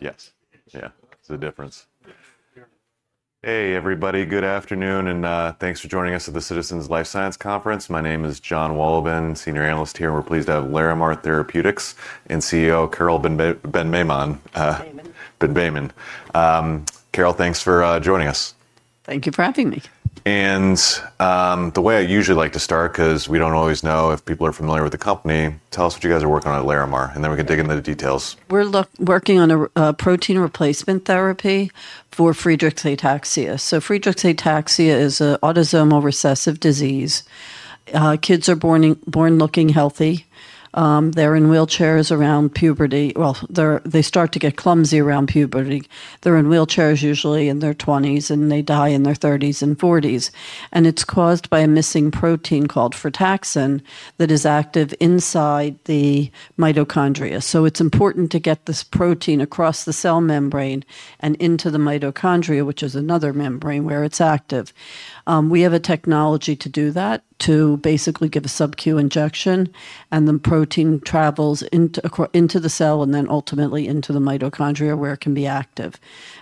Yes. Yeah. It's the difference. Hey, everybody. Good afternoon, and thanks for joining us at the Citizens Life Sciences Conference. My name is Jon Wolleben, Senior Analyst here, and we're pleased to have Larimar Therapeutics and CEO Carole Ben-Maimon. Carole, thanks for joining us. Thank you for having me. The way I usually like to start, 'cause we don't always know if people are familiar with the company, tell us what you guys are working on at Larimar, and then we can dig into the details. We're working on a protein replacement therapy for Friedreich's ataxia. Friedreich's ataxia is a autosomal recessive disease. Kids are born looking healthy. They're in wheelchairs around puberty. Well, they start to get clumsy around puberty. They're in wheelchairs usually in their 20s and they die in their 30s and 40s. It's caused by a missing protein called frataxin that is active inside the mitochondria. It's important to get this protein across the cell membrane and into the mitochondria, which is another membrane where it's active. We have a technology to do that, to basically give a sub-Q injection, and the protein travels into the cell and then ultimately into the mitochondria where it can be active.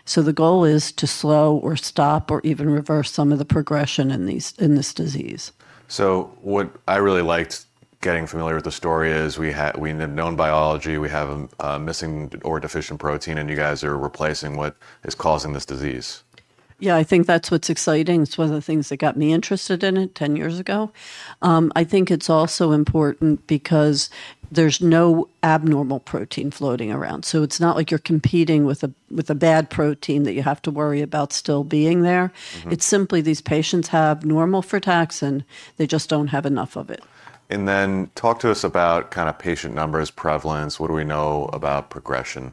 The goal is to slow or stop or even reverse some of the progression in this disease. What I really liked getting familiar with the story is we know biology, we have a missing or deficient protein, and you guys are replacing what is causing this disease. Yeah, I think that's what's exciting. It's one of the things that got me interested in it 10 years ago. I think it's also important because there's no abnormal protein floating around, so it's not like you're competing with a, with a bad protein that you have to worry about still being there. Mm-hmm. It's simply these patients have normal frataxin, they just don't have enough of it. Talk to us about kind of patient numbers, prevalence, what do we know about progression?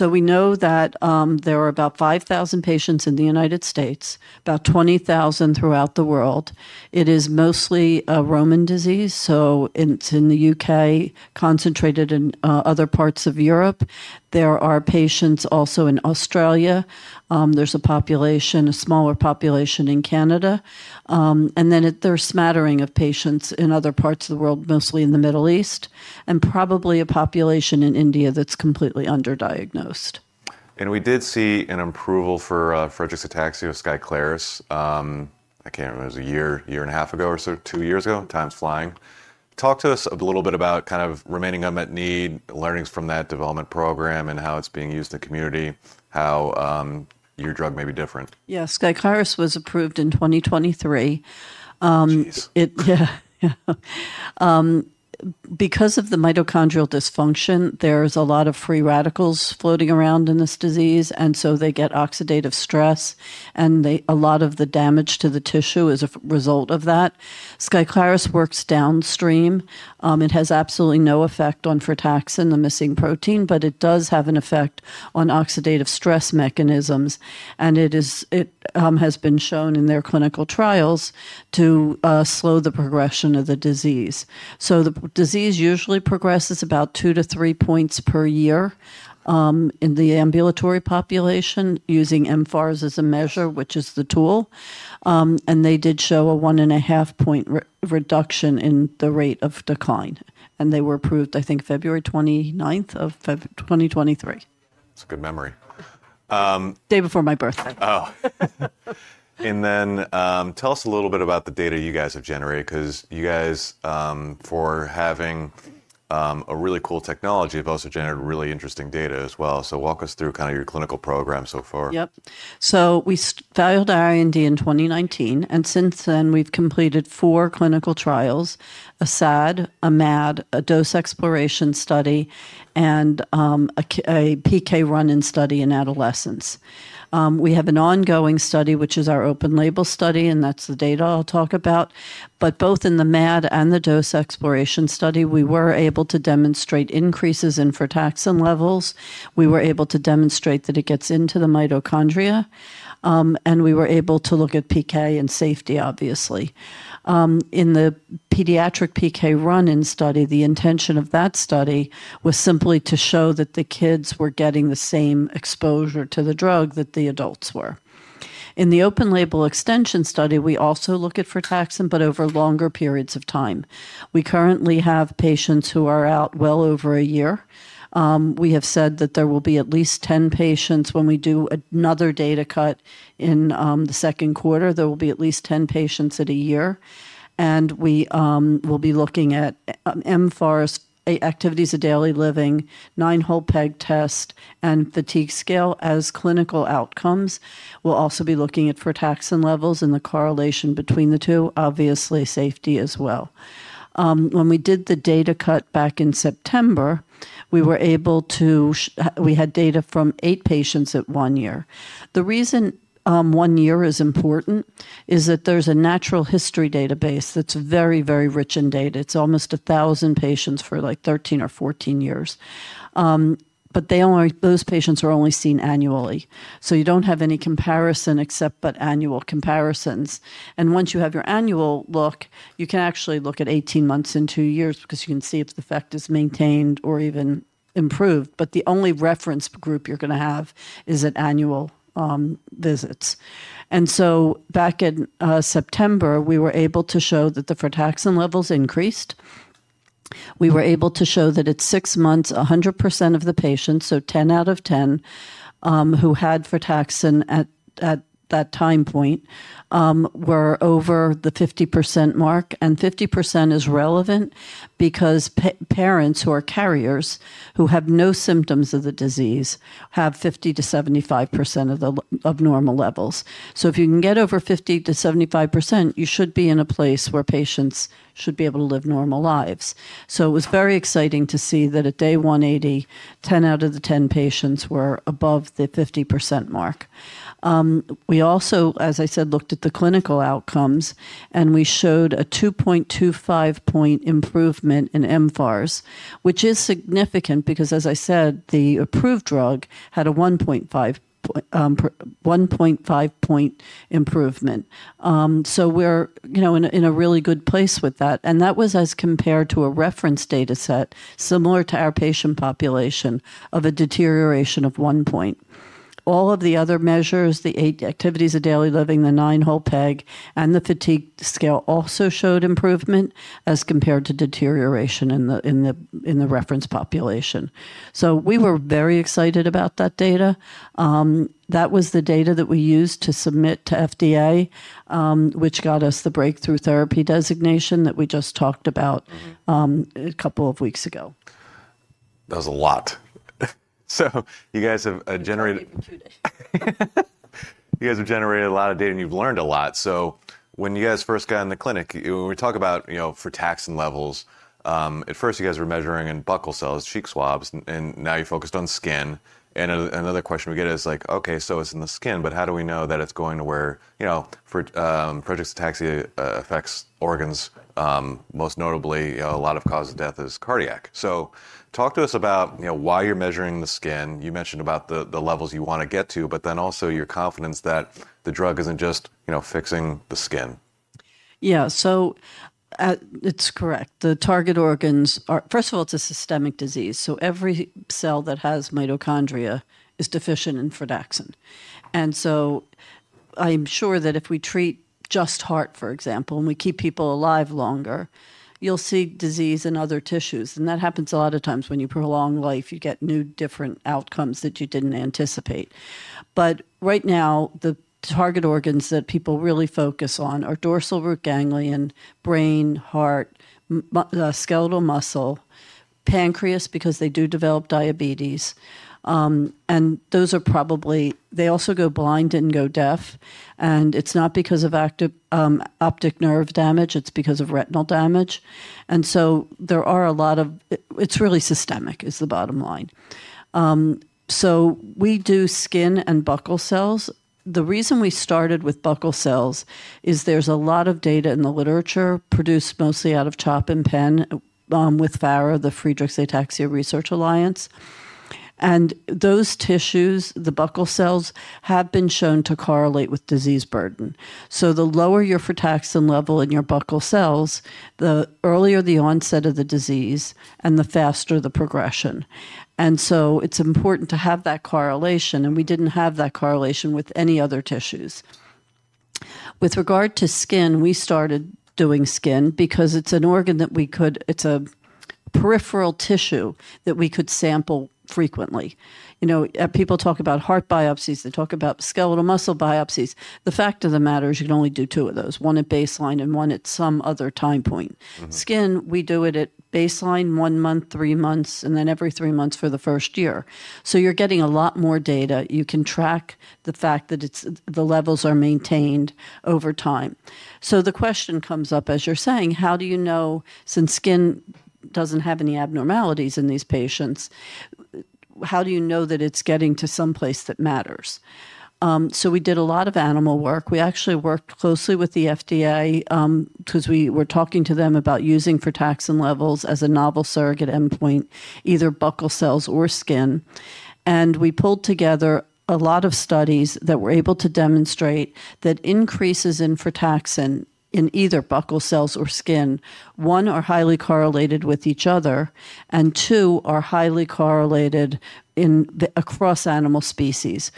We know that there are about 5,000 patients in the United States, about 20,000 throughout the world. It is mostly a European disease, so it's in the U.K., concentrated in other parts of Europe. There are patients also in Australia. There's a population, a smaller population in Canada. And then there's smattering of patients in other parts of the world, mostly in the Middle East, and probably a population in India that's completely underdiagnosed. We did see an approval for Friedreich's ataxia with SKYCLARYS. I can't remember. It was a year and a half ago or so, two years ago. Time's flying. Talk to us a little bit about kind of remaining unmet need, learnings from that development program, and how it's being used in the community, how your drug may be different. Yeah. SKYCLARYS was approved in 2023. Geez. Because of the mitochondrial dysfunction, there's a lot of free radicals floating around in this disease, and so they get oxidative stress, and a lot of the damage to the tissue is a result of that. SKYCLARYS works downstream. It has absolutely no effect on frataxin, the missing protein, but it does have an effect on oxidative stress mechanisms, and it has been shown in their clinical trials to slow the progression of the disease. The disease usually progresses about two to three points per year in the ambulatory population using mFARS as a measure, which is the tool. They did show a 1.5-point reduction in the rate of decline. They were approved, I think, February 29, 2023. That's a good memory. Day before my birthday. Oh. Tell us a little bit about the data you guys have generated, 'cause you guys for having a really cool technology have also generated really interesting data as well. Walk us through kind of your clinical program so far. Yep. We filed our IND in 2019, and since then we've completed four clinical trials, a SAD, a MAD, a dose exploration study, and a PK run-in study in adolescents. We have an ongoing study, which is our open label study, and that's the data I'll talk about. Both in the MAD and the dose exploration study, we were able to demonstrate increases in frataxin levels. We were able to demonstrate that it gets into the mitochondria, and we were able to look at PK and safety, obviously. In the pediatric PK run-in study, the intention of that study was simply to show that the kids were getting the same exposure to the drug that the adults were. In the open label extension study, we also look at frataxin, but over longer periods of time. We currently have patients who are out well over a year. We have said that there will be at least 10 patients when we do another data cut in the second quarter. There will be at least 10 patients at a year, and we will be looking at mFARS, activities of daily living, nine-hole peg test, and fatigue scale as clinical outcomes. We'll also be looking at frataxin levels and the correlation between the two, obviously safety as well. When we did the data cut back in September, we had data from eight patients at one year. The reason one year is important is that there's a natural history database that's very, very rich in data. It's almost 1,000 patients for, like, 13 or 14 years. Those patients are only seen annually, so you don't have any comparison except but annual comparisons. Once you have your annual look, you can actually look at 18 months and two years because you can see if the effect is maintained or even improved, but the only reference group you're gonna have is at annual visits. Back in September, we were able to show that the frataxin levels increased. We were able to show that at six months, 100% of the patients, so 10 out of 10, who had frataxin at that time point, were over the 50% mark. 50% is relevant because parents who are carriers who have no symptoms of the disease have 50%-75% of normal levels. If you can get over 50%-75%, you should be in a place where patients should be able to live normal lives. It was very exciting to see that at day 180, 10 out of the 10 patients were above the 50% mark. We also, as I said, looked at the clinical outcomes, and we showed a 2.25-point improvement in mFARS, which is significant because, as I said, the approved drug had a 1.5-point improvement. We're, you know, in a really good place with that. That was as compared to a reference data set similar to our patient population of a deterioration of one point. All of the other measures, the eight activities of daily living, the nine-hole peg, and the fatigue scale also showed improvement as compared to deterioration in the reference population. We were very excited about that data. That was the data that we used to submit to FDA, which got us the Breakthrough Therapy designation that we just talked about. Mm-hmm. A couple of weeks ago. That was a lot. You guys have generated- We've generated two data. You guys have generated a lot of data, and you've learned a lot. When you guys first got in the clinic, when we talk about, you know, frataxin levels, at first you guys were measuring in buccal cells, cheek swabs, and now you're focused on skin. Another question we get is like, okay, so it's in the skin, but how do we know that it's going to you know, for Friedreich's ataxia affects organs, most notably, you know, a lot of cause of death is cardiac. Talk to us about, you know, why you're measuring the skin. You mentioned about the levels you wanna get to, but then also your confidence that the drug isn't just, you know, fixing the skin. Yeah. It's correct. The target organs are. First of all, it's a systemic disease, so every cell that has mitochondria is deficient in frataxin. I'm sure that if we treat just heart, for example, and we keep people alive longer, you'll see disease in other tissues, and that happens a lot of times when you prolong life, you get new, different outcomes that you didn't anticipate. Right now, the target organs that people really focus on are dorsal root ganglion, brain, heart, skeletal muscle, pancreas because they do develop diabetes, and those are probably. They also go blind and go deaf, and it's not because of active, optic nerve damage, it's because of retinal damage. There are a lot of. It's really systemic, is the bottom line. We do skin and buccal cells. The reason we started with buccal cells is there's a lot of data in the literature produced mostly out of CHOP and Penn, with FARA, the Friedreich's Ataxia Research Alliance. Those tissues, the buccal cells, have been shown to correlate with disease burden. The lower your frataxin level in your buccal cells, the earlier the onset of the disease and the faster the progression. It's important to have that correlation, and we didn't have that correlation with any other tissues. With regard to skin, we started doing skin because it's a peripheral tissue that we could sample frequently. You know, people talk about heart biopsies, they talk about skeletal muscle biopsies. The fact of the matter is you can only do two of those, one at baseline and one at some other time point. Mm-hmm. Skin, we do it at baseline one month, three months, and then every three months for the first year. You're getting a lot more data. You can track the fact that the levels are maintained over time. The question comes up, as you're saying, how do you know, since skin doesn't have any abnormalities in these patients, how do you know that it's getting to some place that matters? We did a lot of animal work. We actually worked closely with the FDA, because we were talking to them about using frataxin levels as a novel surrogate endpoint, either buccal cells or skin. We pulled together a lot of studies that were able to demonstrate that increases in frataxin in either buccal cells or skin, one, are highly correlated with each other, and two, are highly correlated across animal species.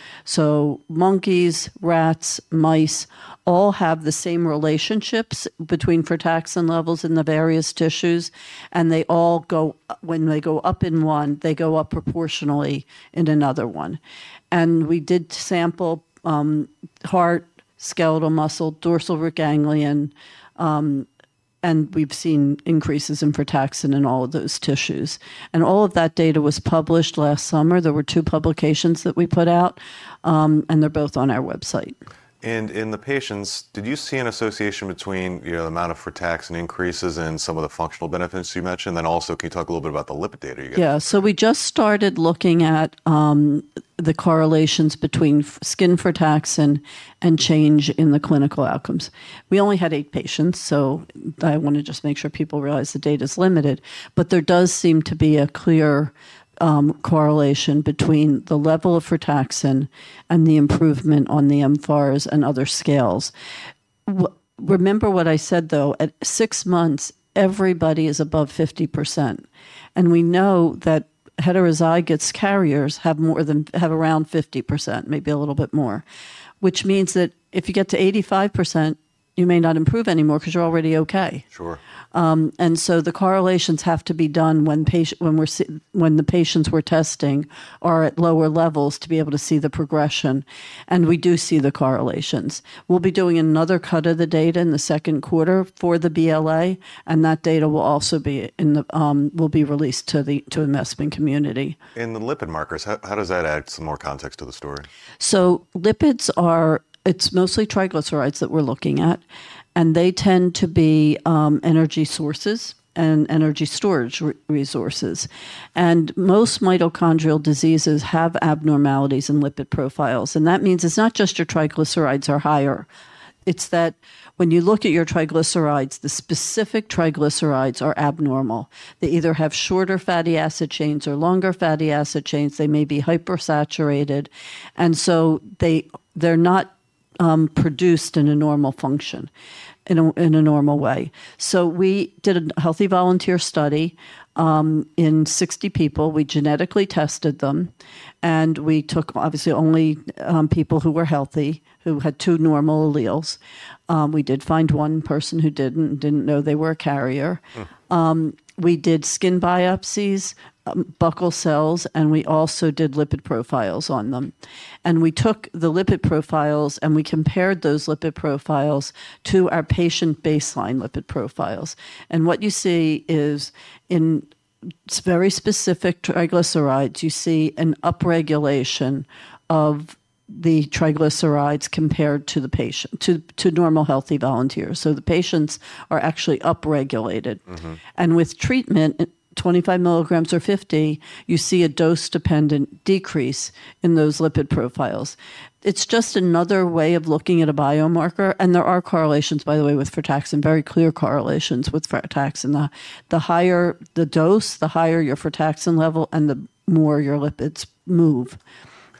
Monkeys, rats, mice all have the same relationships between frataxin levels in the various tissues, and they all go up in one, they go up proportionally in another one. We did sample heart, skeletal muscle, dorsal root ganglion, and we've seen increases in frataxin in all of those tissues. All of that data was published last summer. There were two publications that we put out, and they're both on our website. In the patients, did you see an association between, you know, the amount of frataxin increases and some of the functional benefits you mentioned? Also, can you talk a little bit about the lipid data you got? Yeah. We just started looking at the correlations between frataxin and change in the clinical outcomes. We only had eight patients, so I wanna just make sure people realize the data's limited. There does seem to be a clear correlation between the level of frataxin and the improvement on the mFARS and other scales. Remember what I said, though. At six months, everybody is above 50%, and we know that heterozygous carriers have around 50%, maybe a little bit more. Which means that if you get to 85%, you may not improve anymore because you're already okay. Sure. The correlations have to be done when the patients we're testing are at lower levels to be able to see the progression, and we do see the correlations. We'll be doing another cut of the data in the second quarter for the BLA, and that data will also be released to the investment community. In the lipid markers, how does that add some more context to the story? Lipids are mostly triglycerides that we're looking at, and they tend to be energy sources and energy storage resources. Most mitochondrial diseases have abnormalities in lipid profiles. That means it's not just your triglycerides are higher, it's that when you look at your triglycerides, the specific triglycerides are abnormal. They either have shorter fatty acid chains or longer fatty acid chains. They may be hypersaturated, and so they're not produced in a normal function in a normal way. We did a healthy volunteer study in 60 people. We genetically tested them, and we took obviously only people who were healthy, who had two normal alleles. We did find one person who didn't know they were a carrier. Hmm. We did skin biopsies, buccal cells, and we also did lipid profiles on them. We took the lipid profiles, and we compared those lipid profiles to our patient baseline lipid profiles. What you see is in very specific triglycerides, you see an upregulation of the triglycerides compared to normal healthy volunteers. The patients are actually upregulated. Mm-hmm. With treatment at 25 mg or 50 mg, you see a dose-dependent decrease in those lipid profiles. It's just another way of looking at a biomarker, and there are correlations, by the way, with frataxin, very clear correlations with frataxin. The higher the dose, the higher your frataxin level, and the more your lipids move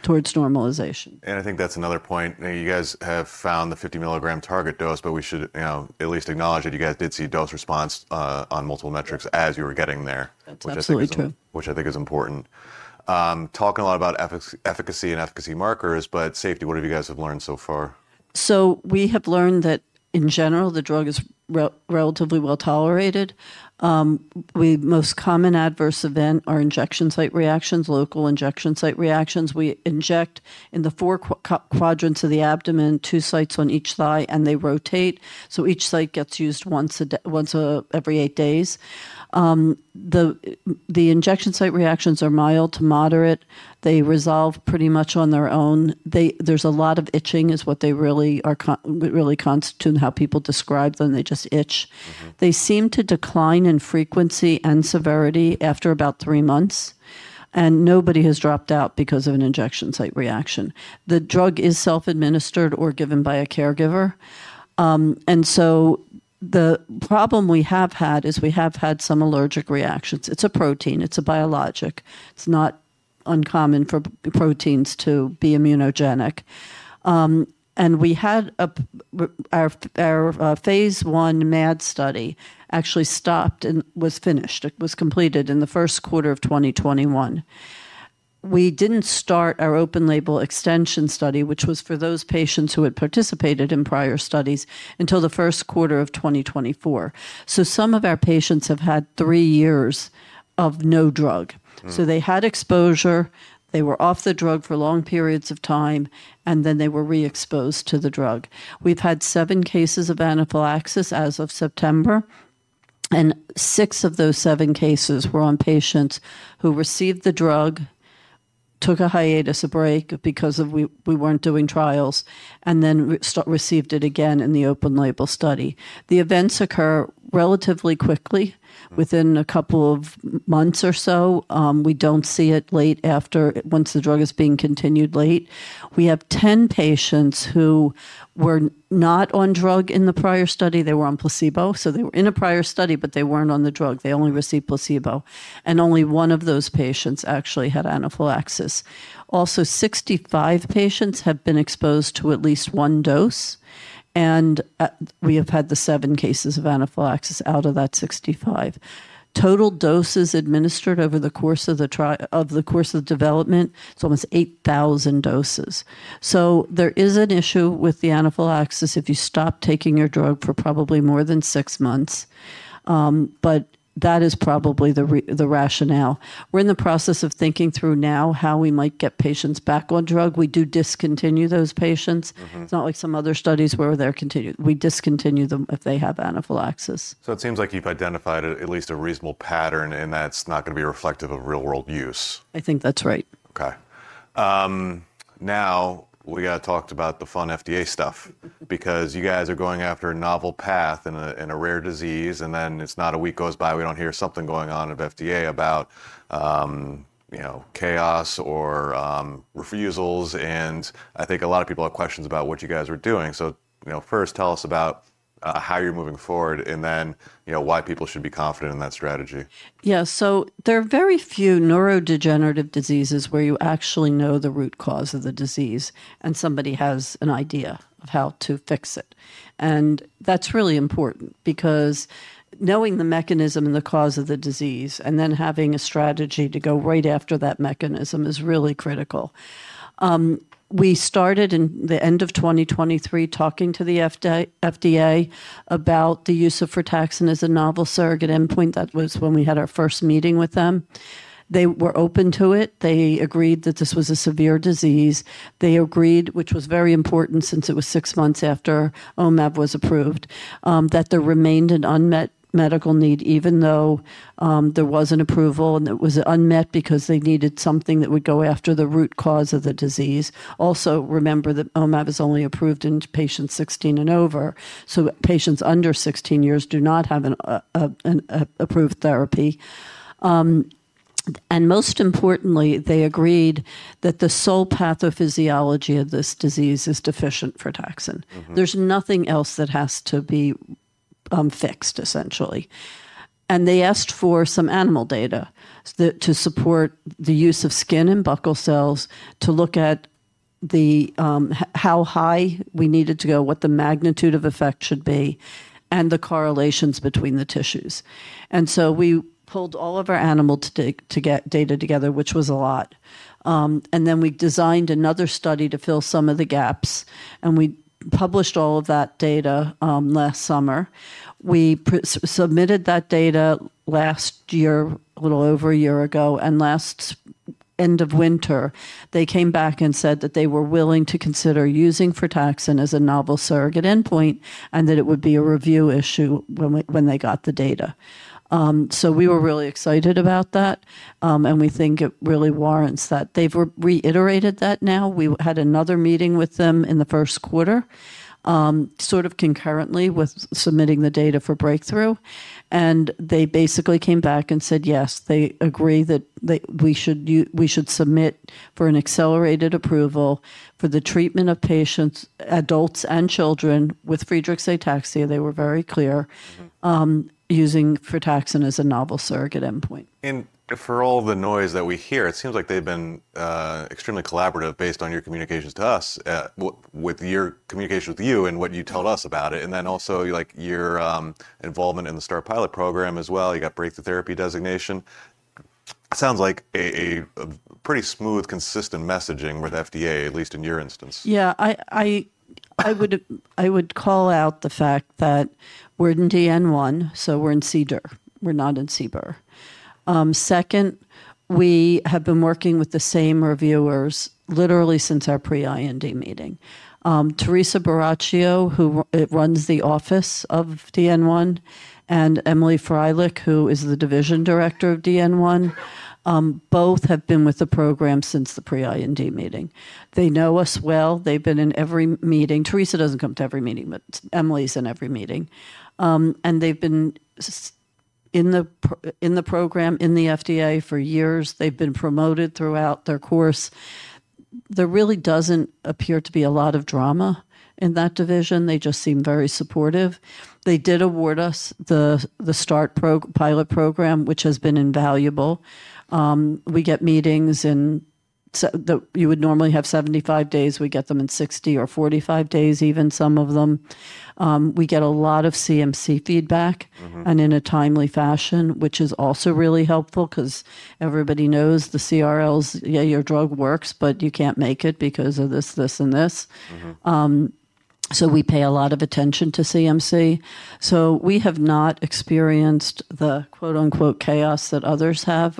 towards normalization. I think that's another point. Now, you guys have found the 50 mg target dose, but we should, you know, at least acknowledge that you guys did see dose-response on multiple metrics as you were getting there. That's absolutely true. Which I think is important. Talking a lot about efficacy and efficacy markers, but safety, what have you guys learned so far? We have learned that in general, the drug is relatively well-tolerated. Most common adverse events are injection site reactions, local injection site reactions. We inject in the four quadrants of the abdomen, two sites on each thigh, and they rotate, so each site gets used once every eight days. The injection site reactions are mild to moderate. They resolve pretty much on their own. There's a lot of itching, is what they really are really constitute how people describe them. They just itch. Mm-hmm. They seem to decline in frequency and severity after about three months, and nobody has dropped out because of an injection site reaction. The drug is self-administered or given by a caregiver. The problem we have had is we have had some allergic reactions. It's a protein. It's a biologic. It's not uncommon for proteins to be immunogenic. We had a phase I MAD study actually stopped and was finished. It was completed in the first quarter of 2021. We didn't start our open label extension study, which was for those patients who had participated in prior studies until the first quarter of 2024. Some of our patients have had three years of no drug. Hmm. They had exposure, they were off the drug for long periods of time, and then they were re-exposed to the drug. We've had seven cases of anaphylaxis as of September, and six of those seven cases were on patients who received the drug, took a hiatus, a break because we weren't doing trials, and then received it again in the open label study. The events occur relatively quickly. Mm-hmm. Within a couple of months or so. We don't see it late after once the drug is being continued late. We have 10 patients who were not on drug in the prior study. They were on placebo. They were in a prior study, but they weren't on the drug. They only received placebo, and only one of those patients actually had anaphylaxis. Also, 65 patients have been exposed to at least one dose, and we have had the seven cases of anaphylaxis out of that 65. Total doses administered over the course of development, it's almost 8,000 doses. There is an issue with the anaphylaxis if you stop taking your drug for probably more than six months, but that is probably the rationale. We're in the process of thinking through now how we might get patients back on drug. We do discontinue those patients. Mm-hmm. It's not like some other studies where they're continued. We discontinue them if they have anaphylaxis. It seems like you've identified a, at least a reasonable pattern, and that's not gonna be reflective of real-world use. I think that's right. Okay. Now we got to talk about the fun FDA stuff because you guys are going after a novel path in a rare disease, and it's not a week goes by we don't hear something going on at FDA about chaos or refusals. I think a lot of people have questions about what you guys are doing. First tell us about how you're moving forward and then why people should be confident in that strategy. Yeah. There are very few neurodegenerative diseases where you actually know the root cause of the disease and somebody has an idea of how to fix it. That's really important because knowing the mechanism and the cause of the disease, and then having a strategy to go right after that mechanism is really critical. We started in the end of 2023 talking to the FDA about the use of frataxin as a novel surrogate endpoint. That was when we had our first meeting with them. They were open to it. They agreed that this was a severe disease. They agreed, which was very important since it was six months after omaveloxolone was approved, that there remained an unmet medical need even though there was an approval, and it was unmet because they needed something that would go after the root cause of the disease. Also, remember that omaveloxolone is only approved in patients 16 and over, so patients under 16 years do not have an approved therapy. Most importantly, they agreed that the sole pathophysiology of this disease is deficient frataxin. Mm-hmm. There's nothing else that has to be fixed, essentially. They asked for some animal data to support the use of skin and buccal cells to look at the how high we needed to go, what the magnitude of effect should be, and the correlations between the tissues. We pulled all of our animal data together, which was a lot. We designed another study to fill some of the gaps, and we published all of that data last summer. We submitted that data last year, a little over a year ago, and last end of winter, they came back and said that they were willing to consider using frataxin as a novel surrogate endpoint and that it would be a review issue when they got the data. We were really excited about that, and we think it really warrants that. They've reiterated that now. We had another meeting with them in the first quarter, sort of concurrently with submitting the data for breakthrough, and they basically came back and said, yes, they agree that we should submit for an accelerated approval for the treatment of patients, adults and children, with Friedreich's ataxia. They were very clear. Mm-hmm. Using frataxin as a novel surrogate endpoint. For all the noise that we hear, it seems like they've been extremely collaborative based on your communications to us. With your communication with you and what you told us about it, and then also, like, your involvement in the START Pilot Program as well. You got Breakthrough Therapy designation. Sounds like a pretty smooth, consistent messaging with FDA, at least in your instance. Yeah. I would call out the fact that we're in DN1, so we're in CDER. We're not in CBER. Second, we have been working with the same reviewers literally since our pre-IND meeting. Teresa Buracchio, who runs the office of DN1, and Emily Freilich, who is the division director of DN1, both have been with the program since the pre-IND meeting. They know us well. They've been in every meeting. Teresa doesn't come to every meeting, but Emily's in every meeting. They've been in the program in the FDA for years. They've been promoted throughout their course. There really doesn't appear to be a lot of drama in that division. They just seem very supportive. They did award us the START Pilot Program, which has been invaluable. We get meetings. You would normally have 75 days. We get them in 60 or 45 days, even some of them. We get a lot of CMC feedback. Mm-hmm. In a timely fashion, which is also really helpful because everybody knows the CRLs, yeah, your drug works, but you can't make it because of this, and this. Mm-hmm. We pay a lot of attention to CMC. We have not experienced the quote-unquote chaos that others have.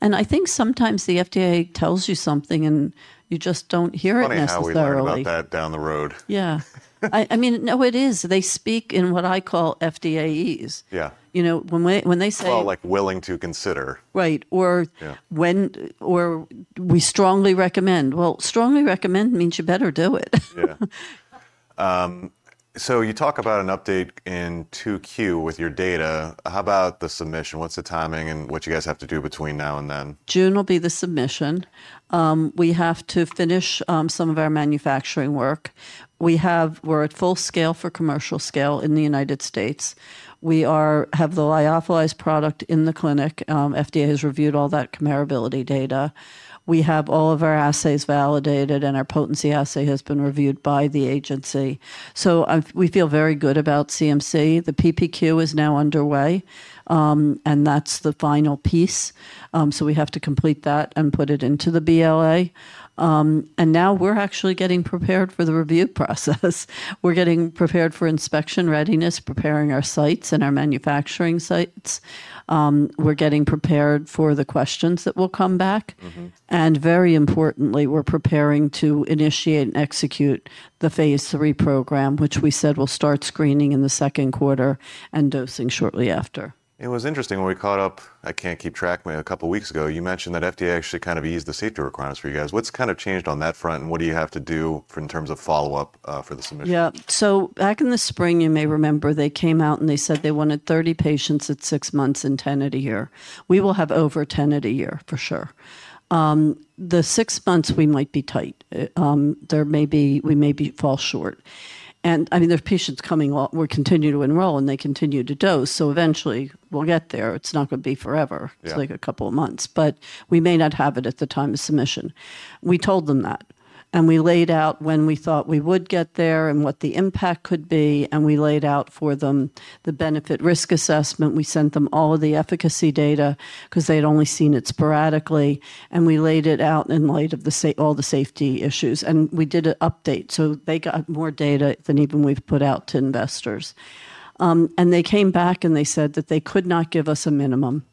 I think sometimes the FDA tells you something and you just don't hear it necessarily. Funny how we learn about that down the road. Yeah. I mean, no, it is. They speak in what I call FDA-ese. Yeah. You know, when they say- It's called, like, willing to consider. Right. Yeah. We strongly recommend. Well, strongly recommend means you better do it. Yeah. So you talk about an update in 2Q with your data. How about the submission? What's the timing and what you guys have to do between now and then? June will be the submission. We have to finish some of our manufacturing work. We're at full scale for commercial scale in the United States. We have the lyophilized product in the clinic. FDA has reviewed all that comparability data. We have all of our assays validated, and our potency assay has been reviewed by the agency. We feel very good about CMC. The PPQ is now underway, and that's the final piece. We have to complete that and put it into the BLA. Now we're actually getting prepared for the review process. We're getting prepared for inspection readiness, preparing our sites and our manufacturing sites. We're getting prepared for the questions that will come back. Mm-hmm. Very importantly, we're preparing to initiate and execute the phase III program, which we said we'll start screening in the second quarter and dosing shortly after. It was interesting when we caught up, I can't keep track, a couple weeks ago, you mentioned that FDA actually kind of eased the safety requirements for you guys. What's kind of changed on that front, and what do you have to do in terms of follow-up for the submission? Yeah. Back in the spring, you may remember, they came out, and they said they wanted 30 patients at six months and 10 at a year. We will have over 10 at a year, for sure. The six months we might be tight. We may fall short. I mean, there are patients coming on board, we're continuing to enroll, and they continue to dose, so eventually we'll get there. It's not gonna be forever. Yeah. It's like a couple of months. We may not have it at the time of submission. We told them that, and we laid out when we thought we would get there and what the impact could be, and we laid out for them the benefit/risk assessment. We sent them all of the efficacy data 'cause they'd only seen it sporadically, and we laid it out in light of all the safety issues. We did an update, so they got more data than even we've put out to investors. They came back, and they said that they could not give us a minimum,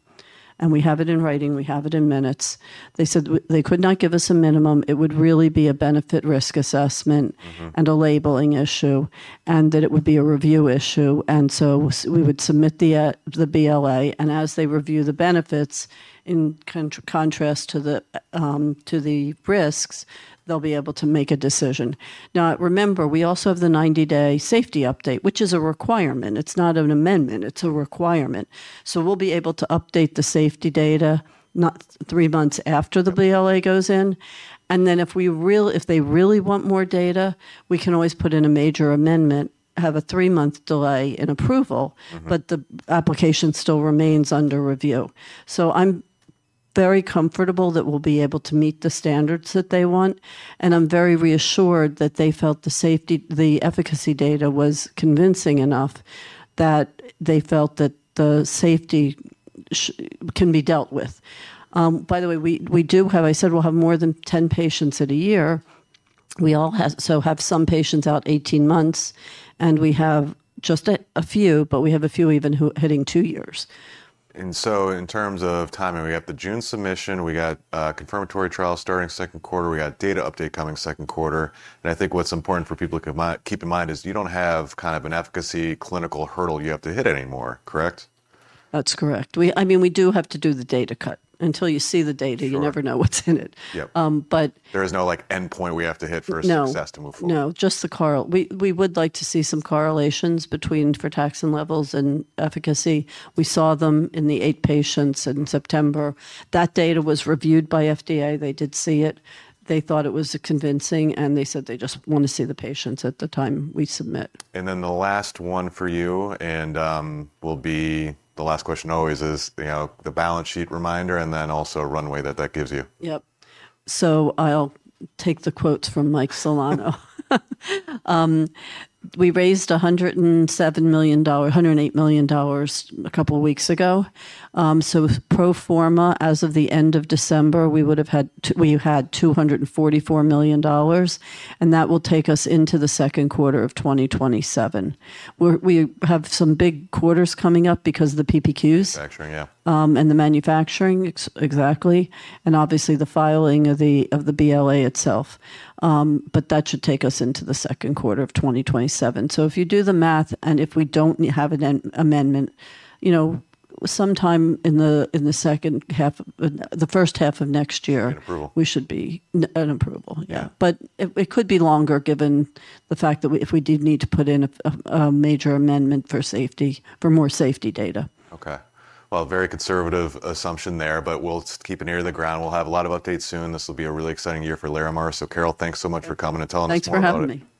and we have it in writing, we have it in minutes. They said they could not give us a minimum. It would really be a benefit-risk assessment. Mm-hmm. A labeling issue and that it would be a review issue. We would submit the BLA, and as they review the benefits in contrast to the risks, they'll be able to make a decision. Now, remember, we also have the 120-day safety update, which is a requirement. It's not an amendment. It's a requirement. We'll be able to update the safety data three months after the BLA goes in, and then if they really want more data, we can always put in a major amendment, have a three-month delay in approval. Mm-hmm. The application still remains under review. I'm very comfortable that we'll be able to meet the standards that they want, and I'm very reassured that they felt the safety, the efficacy data was convincing enough that they felt that the safety can be dealt with. By the way, we do have. I said we'll have more than 10 patients in a year. We have some patients out 18 months, and we have just a few, but we have a few even heading two years. In terms of timing, we got the June submission, we got confirmatory trials starting second quarter, we got data update coming second quarter, and I think what's important for people to keep in mind is you don't have kind of an efficacy clinical hurdle you have to hit anymore, correct? That's correct. I mean, we do have to do the data cut. Until you see the data. Sure. You never know what's in it. Yep. Um, but- There is no, like, endpoint we have to hit. No. Success to move forward. No, just the correlation. We would like to see some correlations between frataxin levels and efficacy. We saw them in the eight patients in September. That data was reviewed by FDA. They did see it. They thought it was convincing, and they said they just wanna see the patients at the time we submit. Then the last one for you and will be the last question always is, you know, the balance sheet reminder and then also runway that gives you. Yep. I'll take the quotes from Mike Celano. We raised $108 million a couple weeks ago. Pro forma, as of the end of December, we had $244 million, and that will take us into the second quarter of 2027. We have some big quarters coming up because of the PPQs. Manufacturing, yeah. The manufacturing exactly, and obviously the filing of the BLA itself. That should take us into the second quarter of 2027. If you do the math, and if we don't have an amendment, you know, sometime in the first half of next year. An approval. An approval, yeah. Yeah. It could be longer given the fact that if we did need to put in a major amendment for safety, for more safety data. Okay. Well, very conservative assumption there, but we'll keep an ear to the ground. We'll have a lot of updates soon. This will be a really exciting year for Larimar. Carole, thanks so much for coming and telling us more about it.